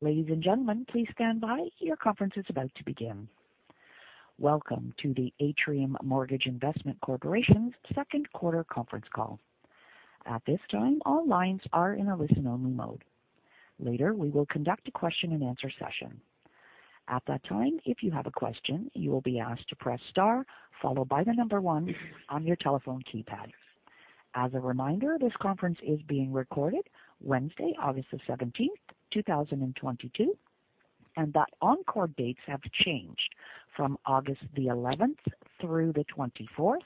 Ladies and gentlemen, please stand by. Your conference is about to begin. Welcome to the Atrium Mortgage Investment Corporation's second quarter conference call. At this time, all lines are in a listen-only mode. Later, we will conduct a question-and-answer session. At that time, if you have a question, you will be asked to press star followed by the number one on your telephone keypad. As a reminder, this conference is being recorded Wednesday, August 17, 2022, and that Encore dates have changed from August 11 through the 24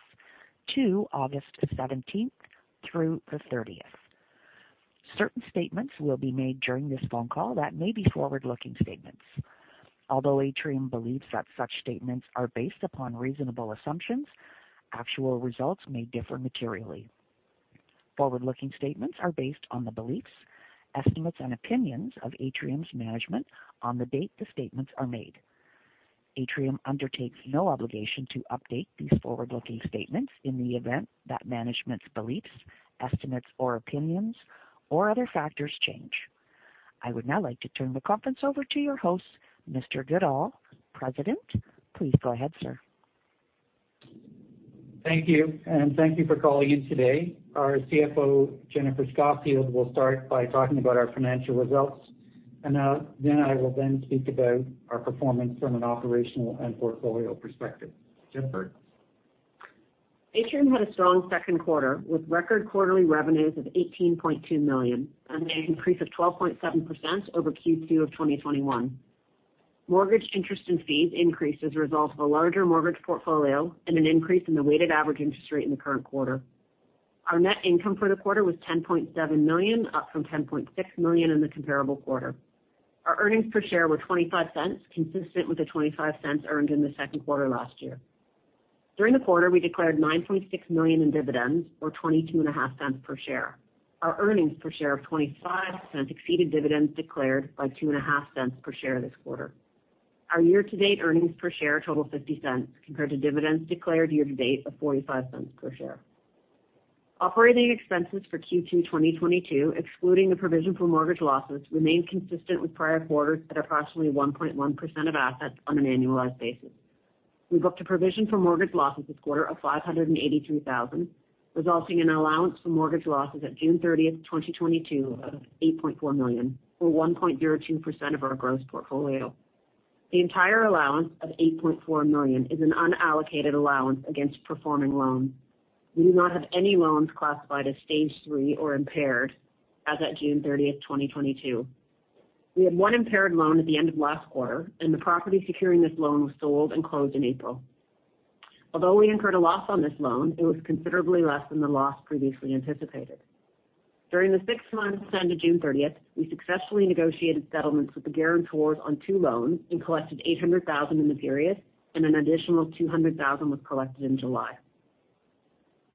to August 17 through the 30. Certain statements will be made during this phone call that may be forward-looking statements. Although Atrium believes that such statements are based upon reasonable assumptions, actual results may differ materially. Forward-looking statements are based on the beliefs, estimates, and opinions of Atrium's management on the date the statements are made. Atrium undertakes no obligation to update these forward-looking statements in the event that management's beliefs, estimates or opinions, or other factors change. I would now like to turn the conference over to your host, Robert Goodall, President. Please go ahead, sir. Thank you, and thank you for calling in today. Our CFO, Jennifer Scoffield, will start by talking about our financial results, and then I will speak about our performance from an operational and portfolio perspective. Jennifer. Atrium had a strong second quarter with record quarterly revenues of 18.2 million and an increase of 12.7% over Q2 of 2021. Mortgage interest and fees increased as a result of a larger mortgage portfolio and an increase in the weighted average interest rate in the current quarter. Our net income for the quarter was CAD 10.7 million, up from CAD 10.6 million in the comparable quarter. Our earnings per share were 0.25, consistent with the 0.25 earned in the second quarter last year. During the quarter, we declared 9.6 million in dividends or 0.225 per share. Our earnings per share of 0.25 exceeded dividends declared by 0.025 per share this quarter. Our year-to-date earnings per share total 0.50 compared to dividends declared year-to-date of 0.45 per share. Operating expenses for Q2 2022, excluding the provision for mortgage losses, remained consistent with prior quarters at approximately 1.1% of assets on an annualized basis. We booked a provision for mortgage losses this quarter of 583,000, resulting in an allowance for mortgage losses at June 30, 2022 of 8.4 million, or 1.02% of our gross portfolio. The entire allowance of 8.4 million is an unallocated allowance against performing loans. We do not have any loans classified as Stage 3 or impaired as at June 30, 2022. We had one impaired loan at the end of last quarter and the property securing this loan was sold and closed in April. Although we incurred a loss on this loan, it was considerably less than the loss previously anticipated. During the six months ended June 30, we successfully negotiated settlements with the guarantors on two loans and collected 800,000 in the period, and an additional 200,000 was collected in July.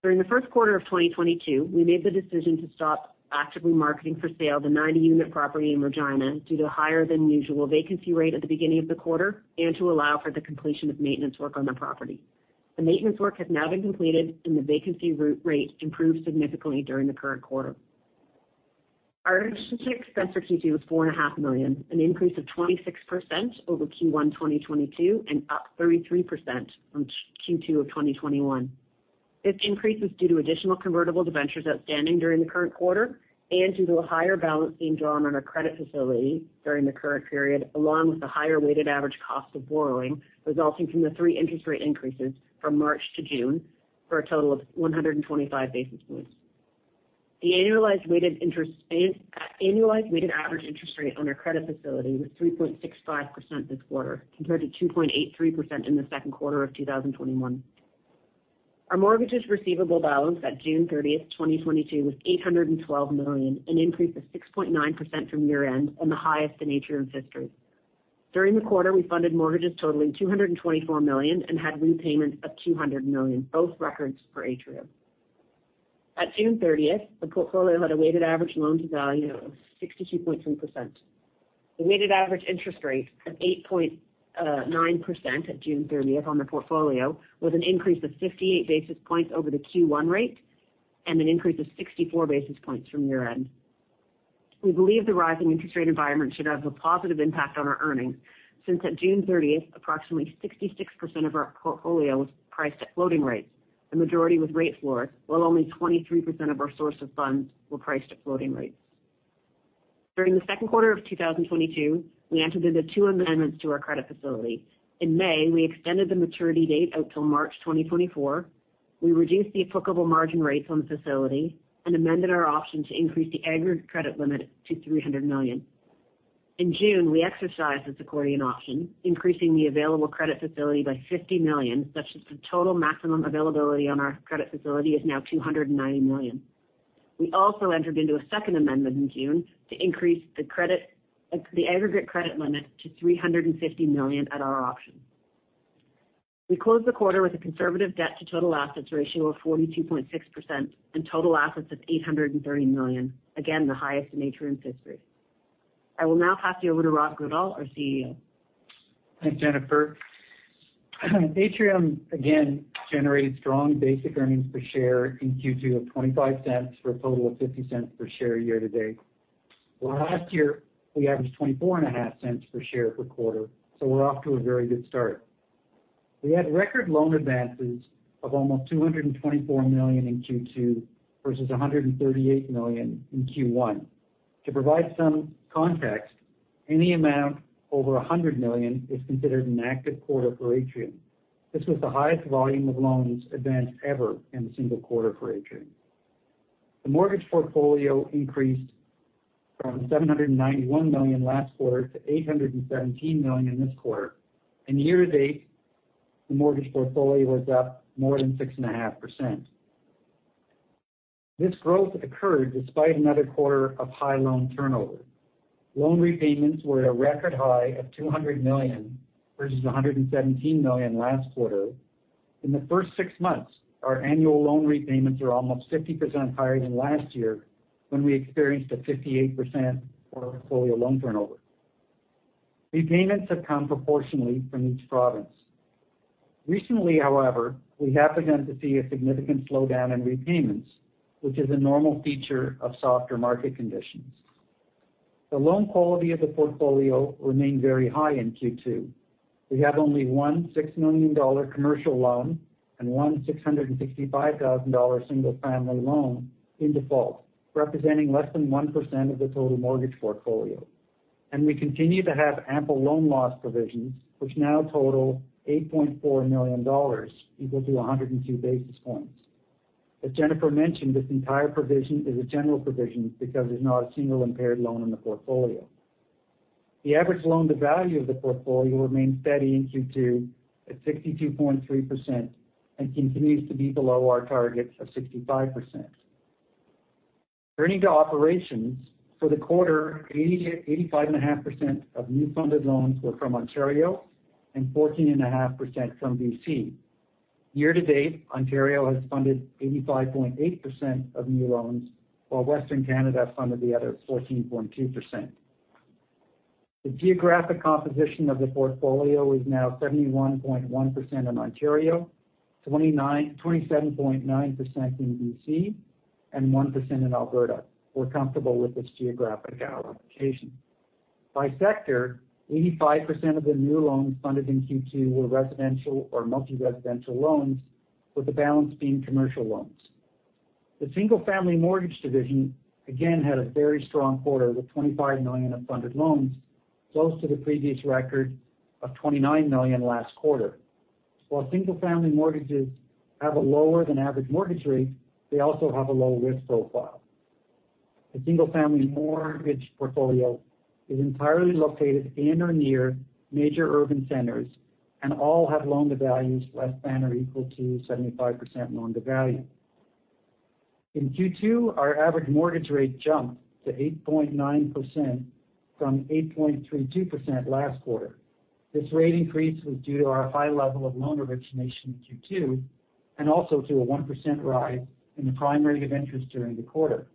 During the first quarter of 2022, we made the decision to stop actively marketing for sale the 90-unit property in Regina due to higher than usual vacancy rate at the beginning of the quarter and to allow for the completion of maintenance work on the property. The maintenance work has now been completed and the vacancy rate improved significantly during the current quarter. Our interest expense for Q2 was 4.5 million, an increase of 26% over Q1 2022 and up 33% from Q2 of 2021. This increase is due to additional convertible debentures outstanding during the current quarter and due to a higher balance being drawn on our credit facility during the current period, along with the higher weighted average cost of borrowing resulting from the three interest rate increases from March to June for a total of 125 basis points. The annualized weighted average interest rate on our credit facility was 3.65% this quarter, compared to 2.83% in the second quarter of 2021. Our mortgages receivable balance at June 30, 2022 was 812 million, an increase of 6.9% from year-end and the highest in Atrium's history. During the quarter, we funded mortgages totaling 224 million and had repayments of 200 million, both records for Atrium. At June 30th, the portfolio had a weighted average loan-to-value of 62.3%. The weighted average interest rate of 8.9% at June 30th on the portfolio was an increase of 58 basis points over the Q1 rate and an increase of 64 basis points from year-end. We believe the rising interest rate environment should have a positive impact on our earnings since at June 30th approximately 66% of our portfolio was priced at floating rates, the majority with rate floors, while only 23% of our source of funds were priced at floating rates. During the second quarter of 2022, we entered into two amendments to our credit facility. In May, we extended the maturity date out till March 2024. We reduced the applicable margin rates on the facility and amended our option to increase the aggregate credit limit to 300 million. In June, we exercised this accordion option, increasing the available credit facility by 50 million, such that the total maximum availability on our credit facility is now 290 million. We also entered into a second amendment in June to increase the aggregate credit limit to 350 million at our option. We closed the quarter with a conservative debt to total assets ratio of 42.6% and total assets of 830 million, again, the highest in Atrium's history. I will now pass you over to Rob Goodall, our CEO. Thanks, Jennifer. Atrium again generated strong basic earnings per share in Q2 of 0.25 for a total of 0.50 per share year-to-date. Last year, we averaged 0.245 per share per quarter, so we're off to a very good start. We had record loan advances of almost 224 million in Q2 versus 138 million in Q1. To provide some context, any amount over 100 million is considered an active quarter for Atrium. This was the highest volume of loans advanced ever in a single quarter for Atrium. The mortgage portfolio increased from 791 million last quarter to 817 million in this quarter. In year-to-date, the mortgage portfolio was up more than 6.5%. This growth occurred despite another quarter of high loan turnover. Loan repayments were at a record high of 200 million versus 117 million last quarter. In the first six months, our annual loan repayments are almost 50% higher than last year when we experienced a 58% portfolio loan turnover. Repayments have come proportionally from each province. Recently, however, we have begun to see a significant slowdown in repayments, which is a normal feature of softer market conditions. The loan quality of the portfolio remained very high in Q2. We have only one 6 million dollar commercial loan and one CAD 665 thousand single-family loan in default, representing less than 1% of the total mortgage portfolio. We continue to have ample loan loss provisions, which now total 8.4 million dollars, equal to 102 basis points. As Jennifer mentioned, this entire provision is a general provision because there's not a single impaired loan in the portfolio. The average loan-to-value of the portfolio remained steady in Q2 at 62.3% and continues to be below our target of 65%. Turning to operations, for the quarter, 85.5% of new funded loans were from Ontario and 14.5% from BC. Year to date, Ontario has funded 85.8% of new loans, while Western Canada funded the other 14.2%. The geographic composition of the portfolio is now 71.1% in Ontario, 27.9% in BC, and 1% in Alberta. We're comfortable with this geographic allocation. By sector, 85% of the new loans funded in Q2 were residential or multi-residential loans, with the balance being commercial loans. The single-family mortgage division again had a very strong quarter with 25 million of funded loans, close to the previous record of 29 million last quarter. While single-family mortgages have a lower than average mortgage rate, they also have a low risk profile. The single-family mortgage portfolio is entirely located in or near major urban centers and all have loan-to-value less than or equal to 75% loan-to-value. In Q2, our average mortgage rate jumped to 8.9% from 8.32% last quarter. This rate increase was due to our high level of loan origination in Q2 and also to a 1% rise in the prime rate of interest during the quarter.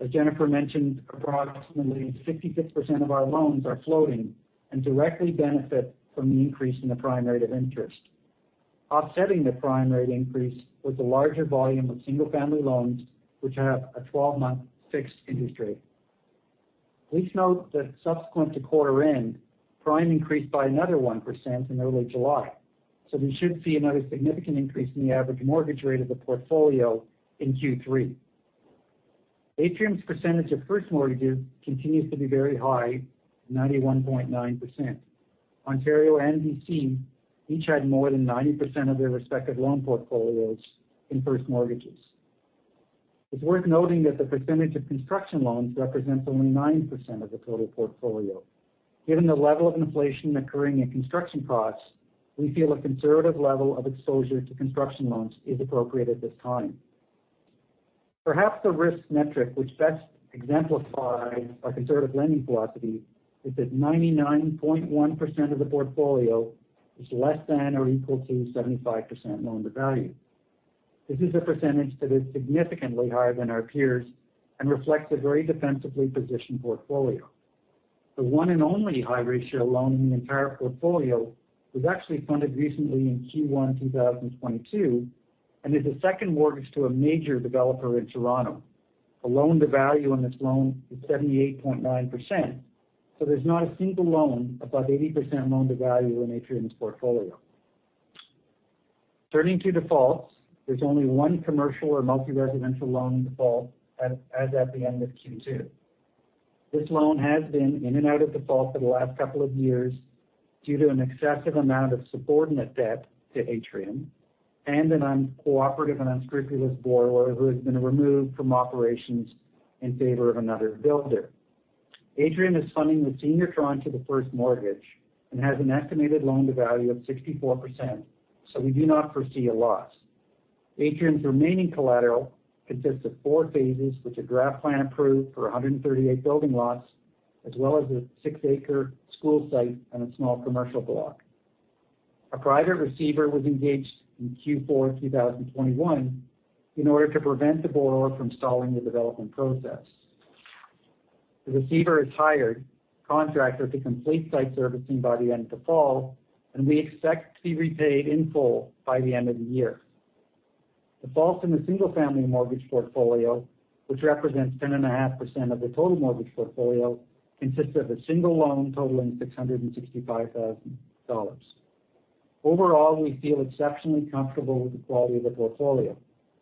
As Jennifer mentioned, approximately 66% of our loans are floating and directly benefit from the increase in the prime rate of interest. Offsetting the prime rate increase was a larger volume of single-family loans, which have a 12-month fixed interest rate. Please note that subsequent to quarter end, prime increased by another 1% in early July, so we should see another significant increase in the average mortgage rate of the portfolio in Q3. Atrium's percentage of first mortgages continues to be very high, 91.9%. Ontario and BC each had more than 90% of their respective loan portfolios in first mortgages. It's worth noting that the percentage of construction loans represents only 9% of the total portfolio. Given the level of inflation occurring in construction costs, we feel a conservative level of exposure to construction loans is appropriate at this time. Perhaps the risk metric which best exemplifies our conservative lending philosophy is that 99.1% of the portfolio is less than or equal to 75% loan-to-value. This is a percentage that is significantly higher than our peers and reflects a very defensively positioned portfolio. The one and only high-ratio loan in the entire portfolio was actually funded recently in Q1, 2022, and is a second mortgage to a major developer in Toronto. The loan-to-value on this loan is 78.9%, so there's not a single loan above 80% loan-to-value in Atrium's portfolio. Turning to defaults, there's only one commercial or multi-residential loan in default as at the end of Q2. This loan has been in and out of default for the last couple of years due to an excessive amount of subordinate debt to Atrium and an uncooperative and unscrupulous borrower who has been removed from operations in favor of another builder. Atrium is funding the senior tranche of the first mortgage and has an estimated loan-to-value of 64%, so we do not foresee a loss. Atrium's remaining collateral consists of four phases with a draft plan approved for 138 building lots as well as a six-acre school site and a small commercial block. A private receiver was engaged in Q4 2021 in order to prevent the borrower from stalling the development process. The receiver has hired a contractor to complete site servicing by the end of the fall, and we expect to be repaid in full by the end of the year. The default in the single-family mortgage portfolio, which represents 10.5% of the total mortgage portfolio, consists of a single loan totaling 665,000 dollars. Overall, we feel exceptionally comfortable with the quality of the portfolio.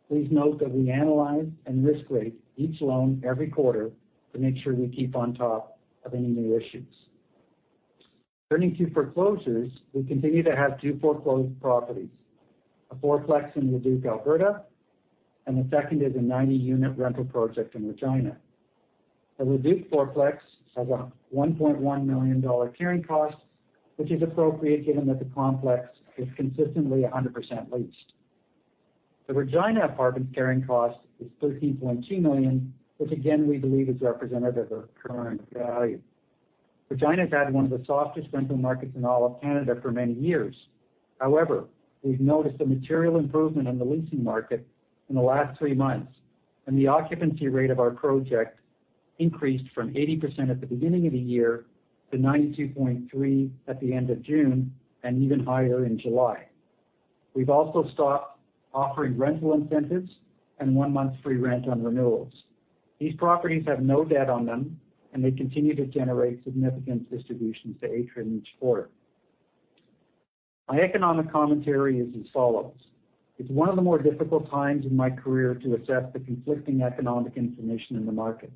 Please note that we analyze and risk rate each loan every quarter to make sure we keep on top of any new issues. Turning to foreclosures, we continue to have 2 foreclosed properties, a fourplex in Leduc, Alberta, and the second is a 90-unit rental project in Regina. The Leduc fourplex has a 1.1 million dollar carrying cost, which is appropriate given that the complex is consistently 100% leased. The Regina apartment carrying cost is 13.2 million, which again, we believe is representative of current value. Regina has had one of the softest rental markets in all of Canada for many years. However, we've noticed a material improvement in the leasing market in the last 3 months, and the occupancy rate of our project increased from 80% at the beginning of the year to 92.3% at the end of June, and even higher in July. We've also stopped offering rental incentives and 1 month free rent on renewals. These properties have no debt on them, and they continue to generate significant distributions to Atrium each quarter. My economic commentary is as follows. It's one of the more difficult times in my career to assess the conflicting economic information in the market.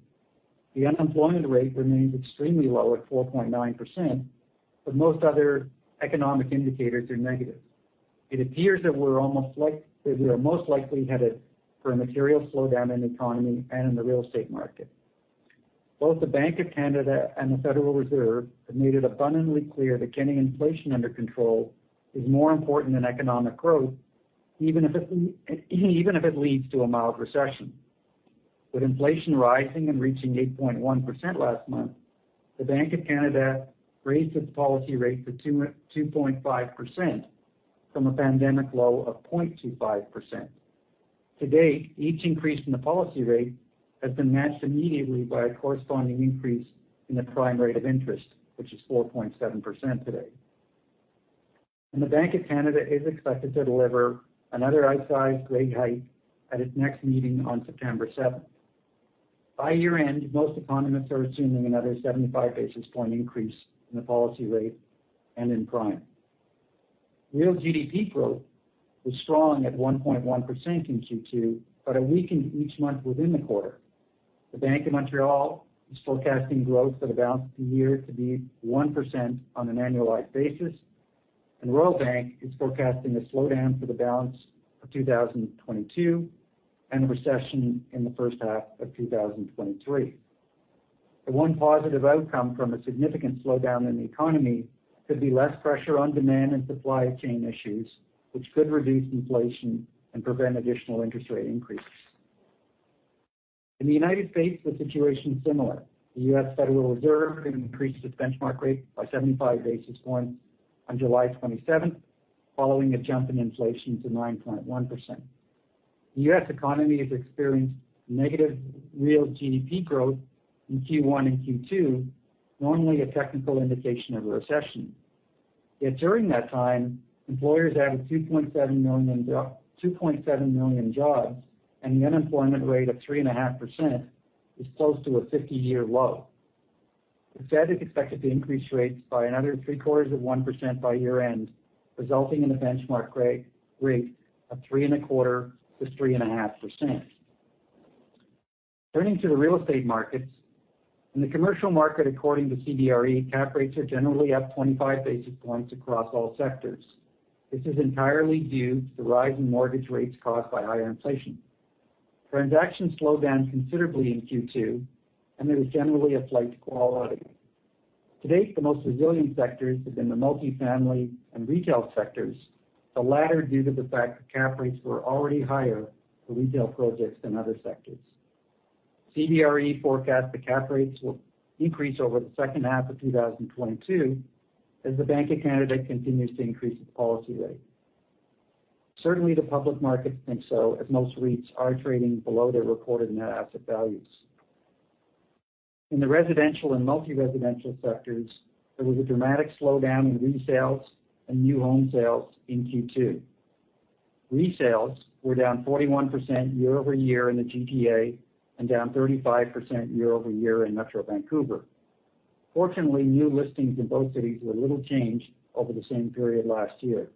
The unemployment rate remains extremely low at 4.9%, but most other economic indicators are negative. It appears that we are most likely headed for a material slowdown in the economy and in the real estate market. Both the Bank of Canada and the Federal Reserve have made it abundantly clear that getting inflation under control is more important than economic growth, even if it leads to a mild recession. With inflation rising and reaching 8.1% last month, the Bank of Canada raised its policy rate to 2.5% from a pandemic low of 0.25%. To date, each increase in the policy rate has been matched immediately by a corresponding increase in the prime rate of interest, which is 4.7% today. The Bank of Canada is expected to deliver another outsized rate hike at its next meeting on September seventh. By year-end, most economists are assuming another 75 basis point increase in the policy rate and in prime. Real GDP growth was strong at 1.1% in Q2, but it weakened each month within the quarter. The Bank of Montreal is forecasting growth for the balance of the year to be 1% on an annualized basis, and Royal Bank of Canada is forecasting a slowdown for the balance of 2022 and a recession in the first half of 2023. The one positive outcome from a significant slowdown in the economy could be less pressure on demand and supply chain issues, which could reduce inflation and prevent additional interest rate increases. In the United States, the situation is similar. The U.S. Federal Reserve increased its benchmark rate by 75 basis points on July 27, following a jump in inflation to 9.1%. The U.S. economy has experienced negative real GDP growth in Q1 and Q2, normally a technical indication of a recession. Yet during that time, employers added 2.7 million jobs, and the unemployment rate of 3.5% is close to a 50-year low. The Fed is expected to increase rates by another 0.75% by year-end, resulting in a benchmark rate of 3.25%-3.5%. Turning to the real estate markets. In the commercial market, according to CBRE, cap rates are generally up 25 basis points across all sectors. This is entirely due to the rise in mortgage rates caused by higher inflation. Transactions slowed down considerably in Q2, and there is generally a flight to quality. To date, the most resilient sectors have been the multifamily and retail sectors, the latter due to the fact that cap rates were already higher for retail projects than other sectors. CBRE forecasts the cap rates will increase over the second half of 2022 as the Bank of Canada continues to increase its policy rate. Certainly, the public markets think so, as most REITs are trading below their reported net asset values. In the residential and multi-residential sectors, there was a dramatic slowdown in resales and new home sales in Q2. Resales were down 41% year-over-year in the GTA and down 35% year-over-year in Metro Vancouver. Fortunately, new listings in both cities were little changed over the same period last year.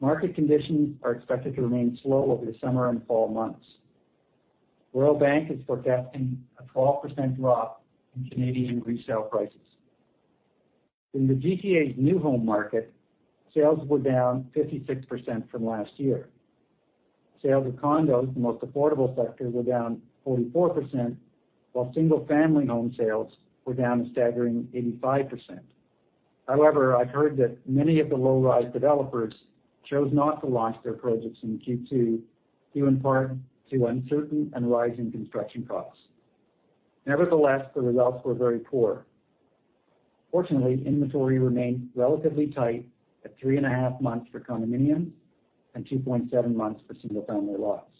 Market conditions are expected to remain slow over the summer and fall months. Royal Bank is forecasting a 12% drop in Canadian resale prices. In the GTA's new home market, sales were down 56% from last year. Sales of condos, the most affordable sector, were down 44%, while single-family home sales were down a staggering 85%. However, I've heard that many of the low-rise developers chose not to launch their projects in Q2, due in part to uncertain and rising construction costs. Nevertheless, the results were very poor. Fortunately, inventory remained relatively tight at 3.5 months for condominiums and 2.7 months for single-family lots.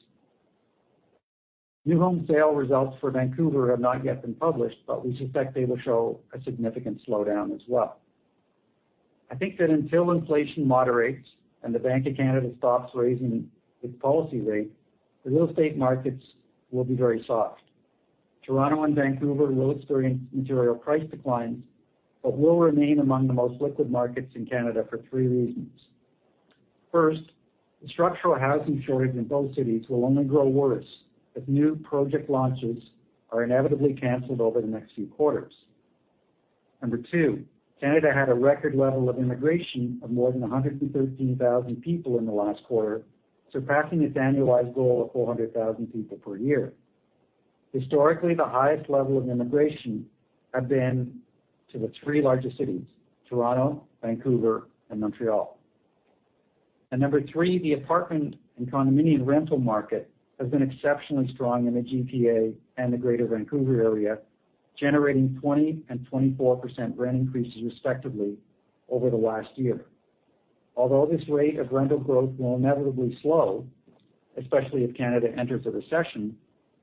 New home sale results for Vancouver have not yet been published, but we suspect they will show a significant slowdown as well. I think that until inflation moderates and the Bank of Canada stops raising its policy rate, the real estate markets will be very soft. Toronto and Vancouver will experience material price declines but will remain among the most liquid markets in Canada for three reasons. First, the structural housing shortage in both cities will only grow worse as new project launches are inevitably canceled over the next few quarters. Number two, Canada had a record level of immigration of more than 113,000 people in the last quarter, surpassing its annualized goal of 400,000 people per year. Historically, the highest level of immigration have been to the three largest cities, Toronto, Vancouver, and Montreal. Number three, the apartment and condominium rental market has been exceptionally strong in the GTA and the Greater Vancouver area, generating 20% and 24% rent increases, respectively, over the last year. Although this rate of rental growth will inevitably slow, especially if Canada enters a recession,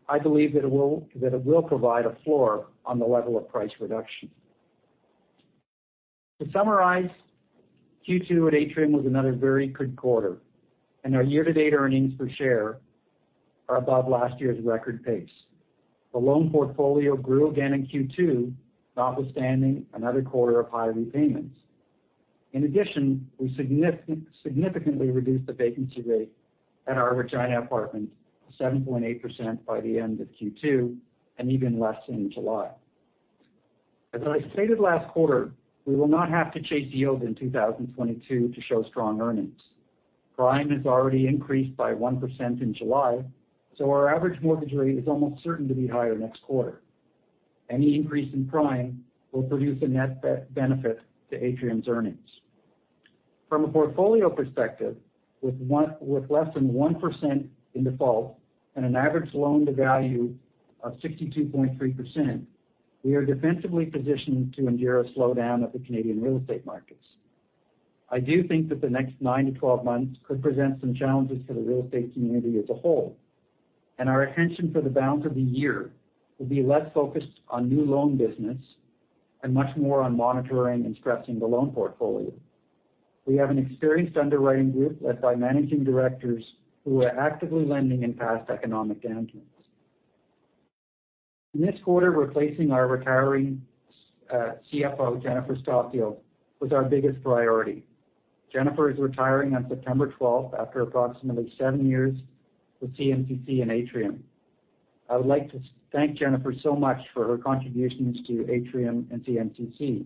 I believe that it will provide a floor on the level of price reduction. To summarize, Q2 at Atrium was another very good quarter, and our year-to-date earnings per share are above last year's record pace. The loan portfolio grew again in Q2, notwithstanding another quarter of high repayments. In addition, we significantly reduced the vacancy rate at our Regina apartment to 7.8% by the end of Q2 and even less in July. As I stated last quarter, we will not have to chase yield in 2022 to show strong earnings. Prime has already increased by 1% in July, so our average mortgage rate is almost certain to be higher next quarter. Any increase in prime will produce a net benefit to Atrium's earnings. From a portfolio perspective, with less than 1% in default and an average loan-to-value of 62.3%, we are defensively positioned to endure a slowdown of the Canadian real estate markets. I do think that the next 9-12 months could present some challenges for the real estate community as a whole, and our attention for the balance of the year will be less focused on new loan business and much more on monitoring and stressing the loan portfolio. We have an experienced underwriting group led by managing directors who were actively lending in past economic downturns. This quarter, replacing our retiring CFO, Jennifer Scoffield, was our biggest priority. Jennifer is retiring on September 12 after approximately 7 years with CMCC and Atrium. I would like to thank Jennifer so much for her contributions to Atrium and CMCC.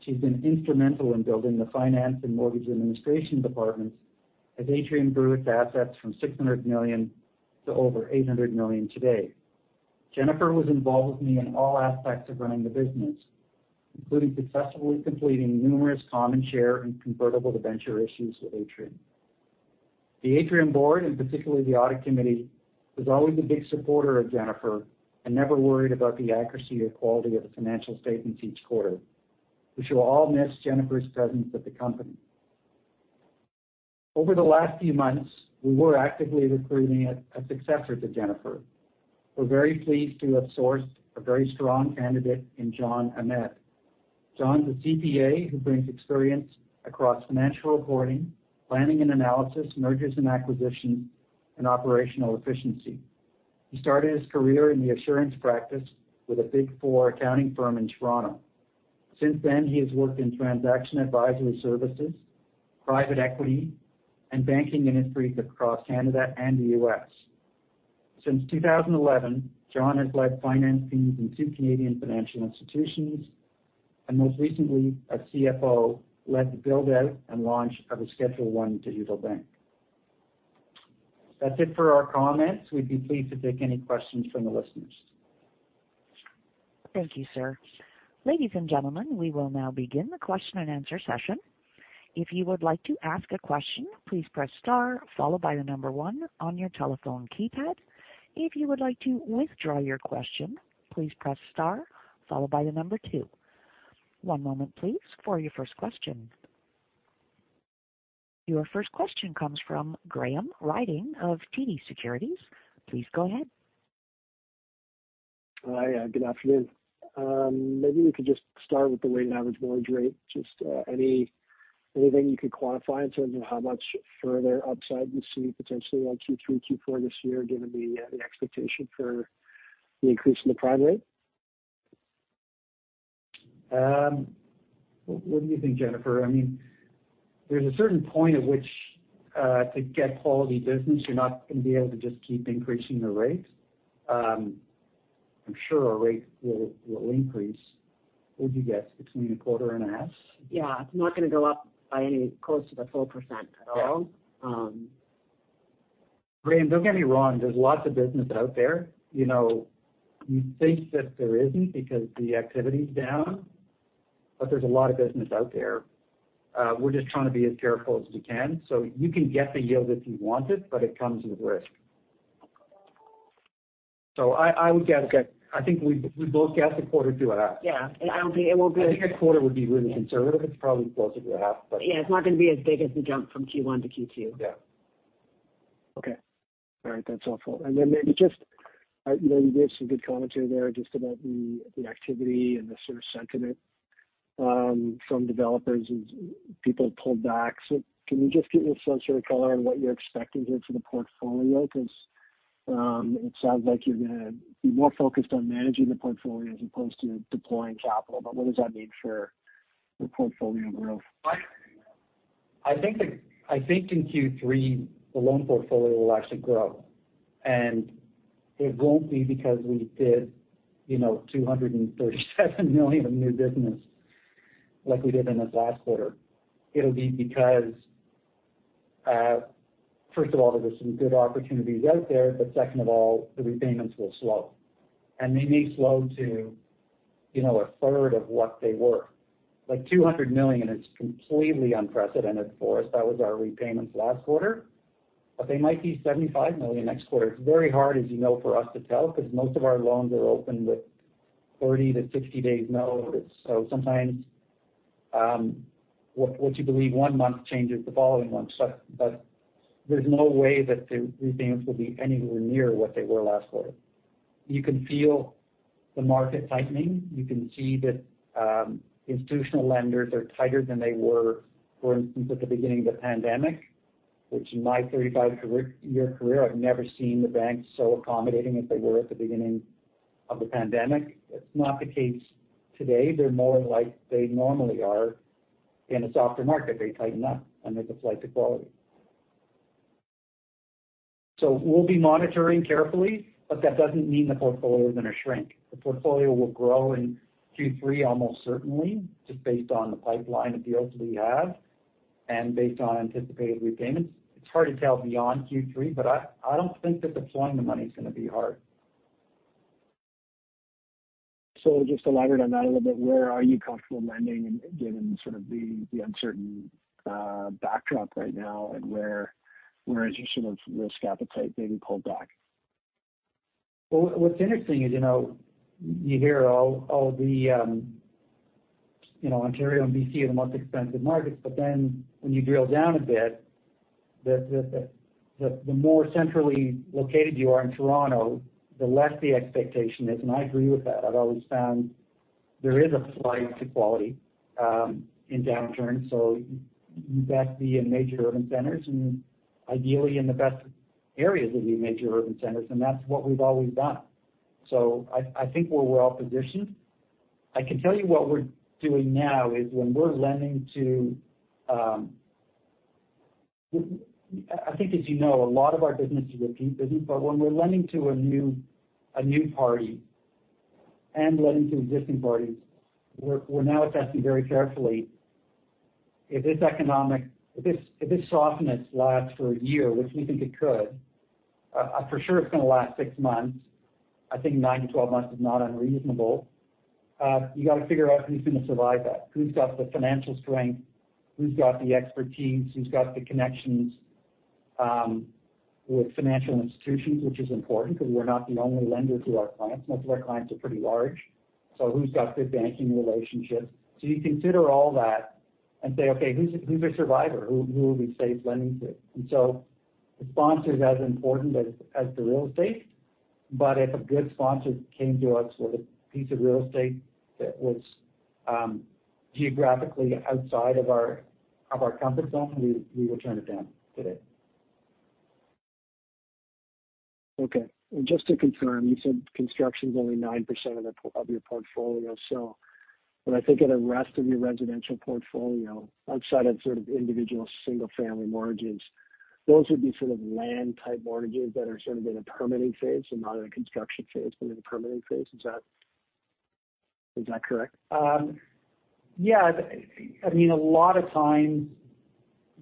She's been instrumental in building the finance and mortgage administration departments as Atrium grew its assets from 600 million to over 800 million today. Jennifer was involved with me in all aspects of running the business, including successfully completing numerous common share and convertible debenture issues with Atrium. The Atrium board, and particularly the audit committee, was always a big supporter of Jennifer and never worried about the accuracy or quality of the financial statements each quarter. We shall all miss Jennifer's presence at the company. Over the last few months, we were actively recruiting a successor to Jennifer. We're very pleased to have sourced a very strong candidate in John Ahmad. John's a CPA who brings experience across financial reporting, planning and analysis, mergers and acquisitions, and operational efficiency. He started his career in the assurance practice with a Big Four accounting firm in Toronto. Since then, he has worked in transaction advisory services, private equity, and banking industries across Canada and the U.S. Since 2011, John has led finance teams in two Canadian financial institutions, and most recently, a CFO-led build-out and launch of a Schedule I digital bank. That's it for our comments. We'd be pleased to take any questions from the listeners. Thank you, sir. Ladies and gentlemen, we will now begin the question-and-answer session. If you would like to ask a question, please press star followed by the number 1 on your telephone keypad. If you would like to withdraw your question, please press star followed by the number 2. One moment please for your first question. Your first question comes from Graham Ryding of TD Securities. Please go ahead. Hi. Good afternoon. Maybe we could just start with the weighted average mortgage rate. Just anything you could quantify in terms of how much further upside you see potentially on Q3, Q4 this year, given the expectation for the increase in the prime rate? What do you think, Jennifer? I mean, there's a certain point at which to get quality business, you're not gonna be able to just keep increasing the rates. I'm sure our rates will increase. What'd you guess? Between a quarter and a half? Yeah. It's not gonna go up by anywhere close to the full percent at all. Graham, don't get me wrong, there's lots of business out there. You know, you think that there isn't because the activity's down. There's a lot of business out there. We're just trying to be as careful as we can. You can get the yield if you want it, but it comes with risk. I would guess that. I think we both guessed a quarter to a half. Yeah. I don't think it will be. I think a quarter would be really conservative. It's probably closer to a half, but. Yeah, it's not gonna be as big as the jump from Q1 to Q2. Yeah. Okay. All right. Maybe just, you know, you gave some good commentary there just about the activity and the sort of sentiment from developers as people have pulled back. Can you just give me a sense or a color on what you're expecting here for the portfolio? Because, it sounds like you're gonna be more focused on managing the portfolio as opposed to deploying capital, but what does that mean for the portfolio growth? I think in Q3, the loan portfolio will actually grow. It won't be because we did, you know, 237 million of new business like we did in the last quarter. It'll be because, first of all, there was some good opportunities out there, but second of all, the repayments will slow. They may slow to, you know, a third of what they were. Like 200 million is completely unprecedented for us. That was our repayments last quarter. They might be 75 million next quarter. It's very hard, as you know, for us to tell because most of our loans are opened with 30 to 60 days notice. Sometimes, what you believe one month changes the following month. There's no way that the repayments will be anywhere near what they were last quarter. You can feel the market tightening. You can see that, institutional lenders are tighter than they were, for instance, at the beginning of the pandemic, which in my 35-year career, I've never seen the banks so accommodating as they were at the beginning of the pandemic. That's not the case today. They're more like they normally are in a softer market. They tighten up and there's a flight to quality. We'll be monitoring carefully, but that doesn't mean the portfolio is going to shrink. The portfolio will grow in Q3 almost certainly, just based on the pipeline of deals we have and based on anticipated repayments. It's hard to tell beyond Q3, but I don't think that deploying the money is going to be hard. Just to elaborate on that a little bit, where are you comfortable lending given sort of the uncertain backdrop right now and where is your sort of risk appetite being pulled back? What's interesting is, you know, you hear all the, you know, Ontario and BC are the most expensive markets, but then when you drill down a bit, the more centrally located you are in Toronto, the less the expectation is. I agree with that. I've always found there is a flight to quality in downturns. You best be in major urban centers and ideally in the best areas of the major urban centers, and that's what we've always done. I think we're well-positioned. I can tell you what we're doing now is when we're lending to. I think as you know, a lot of our business is repeat business. When we're lending to a new party and lending to existing parties, we're now assessing very carefully if this softness lasts for a year, which we think it could, for sure it's going to last 6 months. I think 9-12 months is not unreasonable. You got to figure out who's going to survive that, who's got the financial strength, who's got the expertise, who's got the connections with financial institutions, which is important because we're not the only lender to our clients. Most of our clients are pretty large. So who's got good banking relationships? So you consider all that and say, "Okay, who's a survivor? Who are we safe lending to?" The sponsor is as important as the real estate. If a good sponsor came to us with a piece of real estate that was geographically outside of our comfort zone, we would turn it down today. Okay. Just to confirm, you said construction's only 9% of your portfolio. When I think of the rest of your residential portfolio, outside of sort of individual single-family mortgages, those would be sort of land type mortgages that are sort of in a permitting phase and not in a construction phase, but in a permitting phase. Is that correct? Yeah. I mean, a lot of times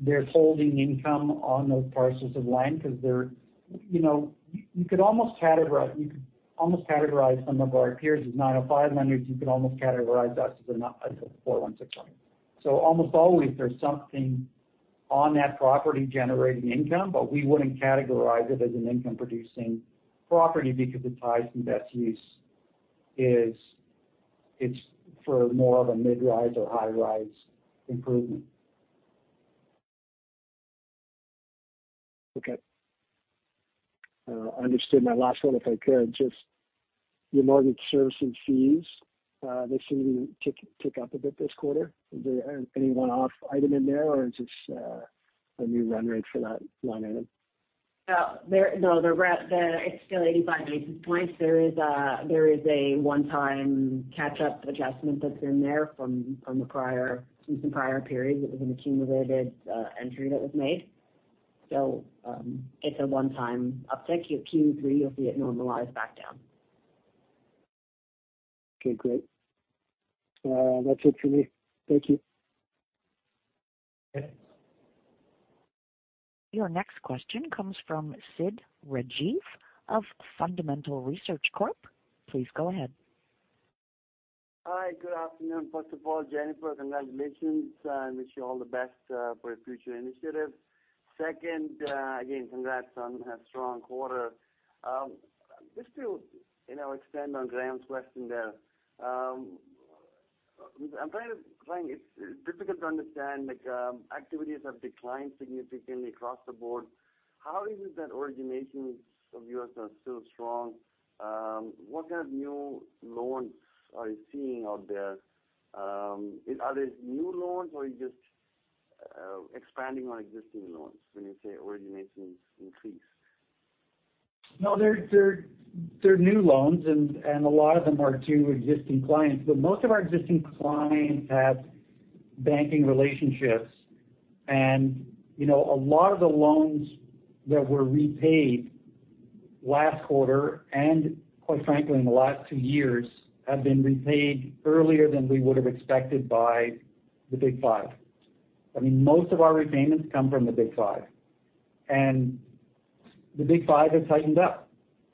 they're holding income on those parcels of land because they're, you know, you could almost categorize some of our peers as 905 lenders. You could almost categorize us as a 416 lender. Almost always there's something on that property generating income, but we wouldn't categorize it as an income-producing property because it ties to best use. It's for more of a mid-rise or high-rise improvement. Okay. Understood. My last one, if I could, just your mortgage servicing fees, they seem to tick up a bit this quarter. Is there any one-off item in there or is this a new run rate for that line item? No. It's still 85 basis points. There is a one-time catch-up adjustment that's in there from some prior periods. It was an accumulated entry that was made. It's a one-time uptick. Q3, you'll see it normalize back down. Okay, great. That's it for me. Thank you. Okay. Your next question comes from Sid Rajeev of Fundamental Research Corp. Please go ahead. Hi, good afternoon. First of all, Jennifer, congratulations and wish you all the best for your future initiatives. Second, again, congrats on a strong quarter. Just to, you know, extend on Graham's question there. It's difficult to understand, like, activities have declined significantly across the board. How is it that originations of yours are still strong? What kind of new loans are you seeing out there? Are they new loans, or are you just expanding on existing loans when you say originations increase? No, they're new loans and a lot of them are to existing clients. Most of our existing clients have banking relationships. You know, a lot of the loans that were repaid last quarter and quite frankly, in the last two years, have been repaid earlier than we would have expected by the Big Five. I mean, most of our repayments come from the Big Five, and the Big Five have tightened up.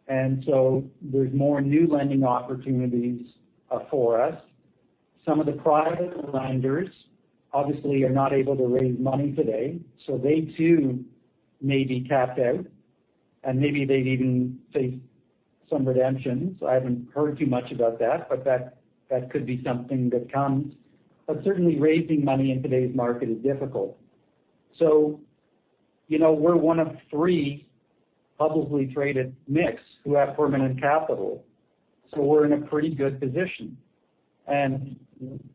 There's more new lending opportunities for us. Some of the private lenders obviously are not able to raise money today, so they too may be tapped out, and maybe they'd even face some redemptions. I haven't heard too much about that, but that could be something that comes. Certainly raising money in today's market is difficult. You know, we're one of three publicly traded MICs who have permanent capital, so we're in a pretty good position.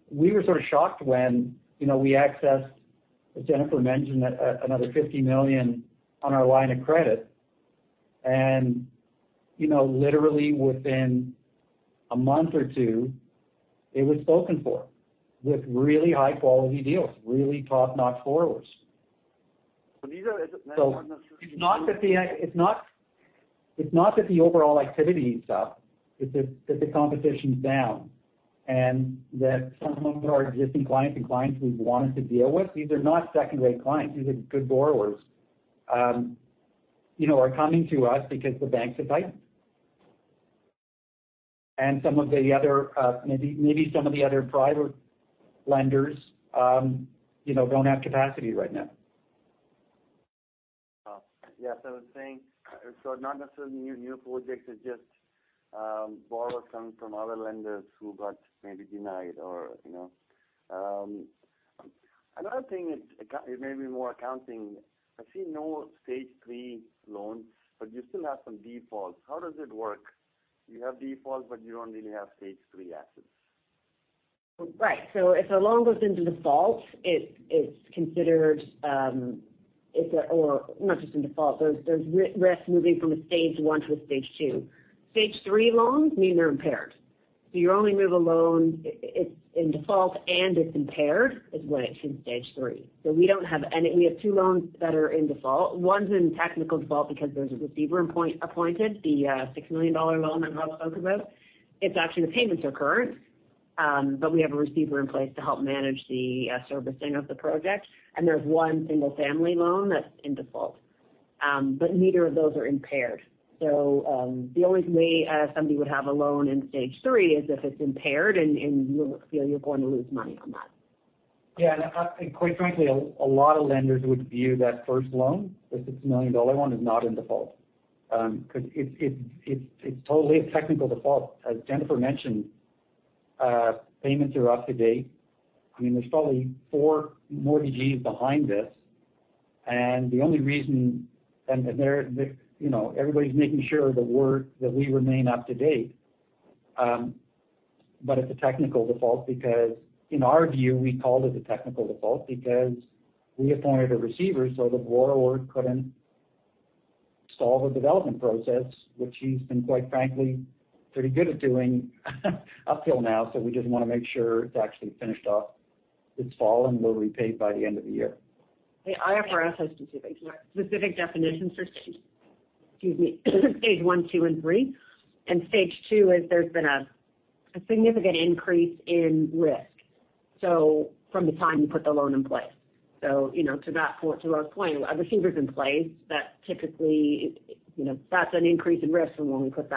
We were sort of shocked when, you know, we accessed, as Jennifer mentioned, another 50 million on our line of credit. You know, literally within a month or two, it was spoken for with really high-quality deals, really top-notch borrowers. Is it not necessarily? It's not that the overall activity is up, it's that the competition's down, and that some of our existing clients and clients we've wanted to deal with, these are not second-rate clients, these are good borrowers, you know, are coming to us because the banks have tightened. Some of the other, maybe some of the other private lenders, you know, don't have capacity right now. Oh, yes, I was saying, so not necessarily new projects, it's just borrowers coming from other lenders who got maybe denied or, you know. Another thing is, it may be more accounting. I see no Stage 3 loans, but you still have some defaults. How does it work? You have defaults, but you don't really have Stage 3 assets. Right. If a loan goes into default, it's considered, or not just in default, there's risk moving from a Stage 1 to a Stage 2. Stage 3 loans mean they're impaired. You only move a loan, it's in default, and it's impaired, is when it's in Stage 3. We don't have any. We have two loans that are in default. One's in technical default because there's a receiver appointed, the 6 million dollar loan that Rob spoke about. It's actually, the payments are current, but we have a receiver in place to help manage the servicing of the project. There's one single-family loan that's in default. But neither of those are impaired. The only way somebody would have a loan in Stage 3 is if it's impaired and you feel you're going to lose money on that. Yeah. Quite frankly, a lot of lenders would view that first loan, the 6 million dollar one, is not in default because it's totally a technical default. As Jennifer mentioned, payments are up to date. I mean, there's probably four mortgagees behind this. They're, you know, everybody's making sure that we remain up to date. It's a technical default because in our view, we called it a technical default because we appointed a receiver so the borrower couldn't stall the development process, which he's been, quite frankly, pretty good at doing up till now. We just wanna make sure it's actually finished off this fall, and we'll be repaid by the end of the year. The IFRS has specific definitions for Stage one, two and three. Stage two is there's been a significant increase in risk. From the time you put the loan in place. You know, to Rob's point, a receiver's in place, that typically, you know, that's an increase in risk from when we put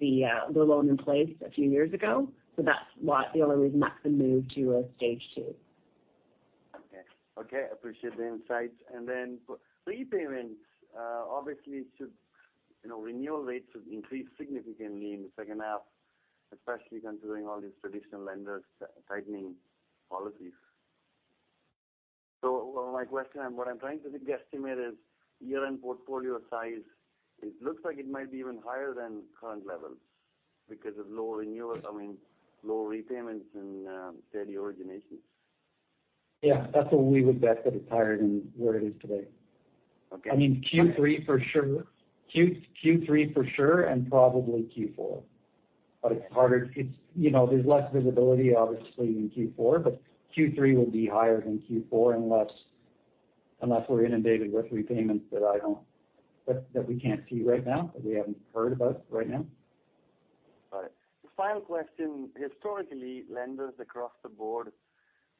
the loan in place a few years ago. That's why the only reason that's been moved to a Stage two. Okay. Appreciate the insights. For repayments, obviously, you know, renewal rates have increased significantly in the second half, especially considering all these traditional lenders tightening policies. My question, what I'm trying to guesstimate is year-end portfolio size. It looks like it might be even higher than current levels because of low renewals, I mean, low repayments and, steady originations. Yeah. That's what we would bet that it's higher than where it is today. Okay. I mean, Q3 for sure. Q3 for sure and probably Q4. It's harder. You know, there's less visibility obviously in Q4, but Q3 will be higher than Q4 unless we're inundated with repayments that we can't see right now, that we haven't heard about right now. All right. Final question. Historically, lenders across the board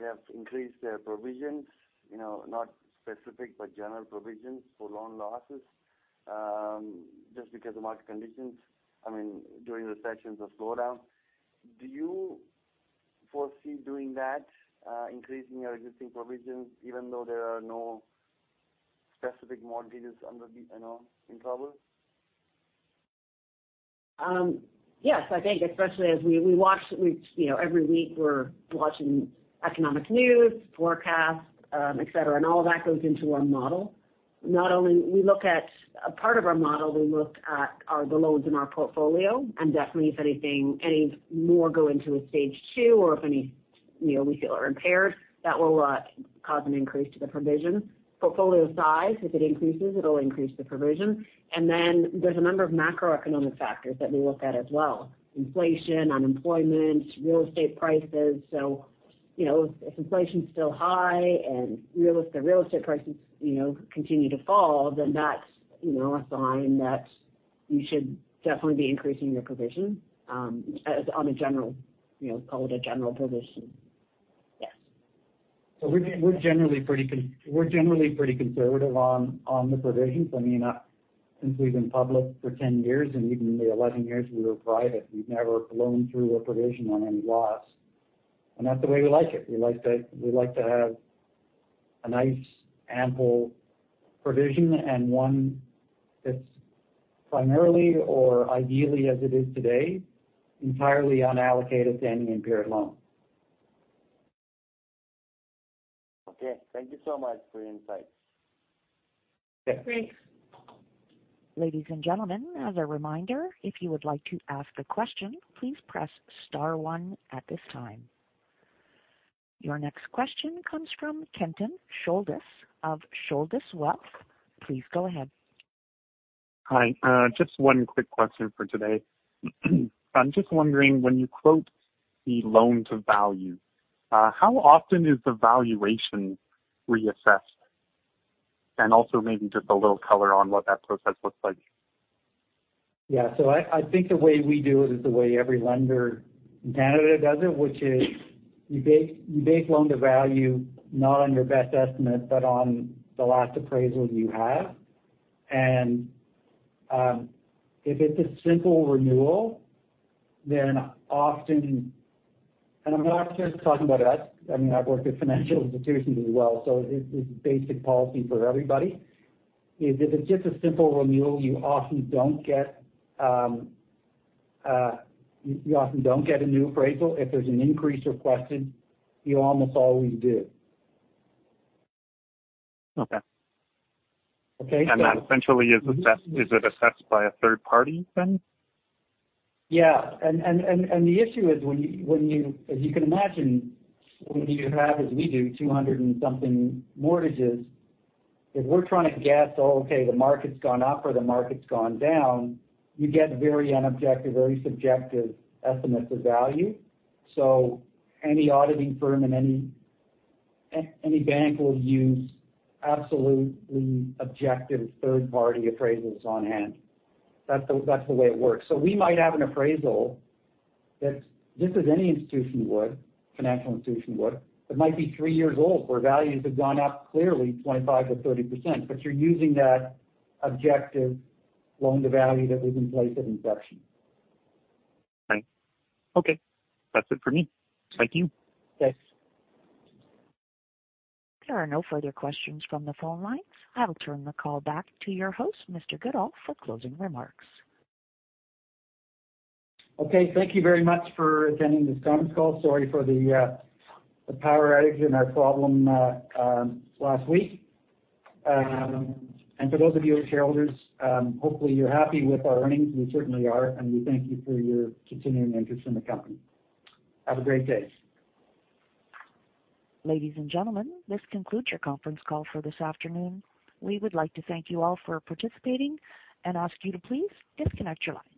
have increased their provisions, you know, not specific, but general provisions for loan losses, just because of market conditions. I mean, during recessions or slowdown. Do you foresee doing that, increasing your existing provisions even though there are no specific mortgages, you know, in trouble? Yes. I think especially as we watch, you know, every week we're watching economic news, forecasts, et cetera, and all of that goes into our model. Not only we look at a part of our model, we look at the loans in our portfolio, and definitely if anything, any more go into a Stage 2 or if any, you know, we feel are impaired, that will cause an increase to the provision. Portfolio size, if it increases, it'll increase the provision. There's a number of macroeconomic factors that we look at as well. Inflation, unemployment, real estate prices. You know, if inflation's still high and the real estate prices, you know, continue to fall, then that's a sign that you should definitely be increasing your provision, as in a general, you know, call it a general provision. Yes. We're generally pretty conservative on the provisions. I mean, since we've been public for 10 years and even the 11 years we were private, we've never blown through a provision on any loss. That's the way we like it. We like to have a nice ample provision and one that's primarily or ideally, as it is today, entirely unallocated to any impaired loans. Okay. Thank you so much for your insights. Great. Ladies and gentlemen, as a reminder, if you would like to ask a question, please press star one at this time. Your next question comes from Kenton Shouldes of Shouldice Wealth. Please go ahead. Hi. Just one quick question for today. Just wondering, when you quote the loan-to-value, how often is the valuation reassessed? Also maybe just a little color on what that process looks like. Yeah. I think the way we do it is the way every lender in Canada does it, which is you base loan-to-value not on your best estimate but on the last appraisal you have. If it's a simple renewal, then often I'm not just talking about us. I mean, I've worked at financial institutions as well, so it's basic policy for everybody, is if it's just a simple renewal, you often don't get a new appraisal. If there's an increase requested, you almost always do. Okay. Okay. That essentially is assessed. Is it assessed by a third party then? Yeah. The issue is when you as you can imagine, when you have, as we do, 200-something mortgages, if we're trying to guess, okay, the market's gone up or the market's gone down, you get very unobjective, very subjective estimates of value. Any auditing firm and any bank will use absolutely objective third-party appraisals on hand. That's the way it works. We might have an appraisal that, just as any financial institution would, that might be 3 years old, where values have gone up clearly 25%-30%, but you're using that objective loan-to-value that was in place at inception. Right. Okay. That's it for me. Thank you. Thanks. There are no further questions from the phone lines. I will turn the call back to your host, Robert Goodall, for closing remarks. Okay. Thank you very much for attending this conference call. Sorry for the power outage and our problem last week. For those of you who are shareholders, hopefully you're happy with our earnings. We certainly are, and we thank you for your continuing interest in the company. Have a great day. Ladies and gentlemen, this concludes your conference call for this afternoon. We would like to thank you all for participating and ask you to please disconnect your lines.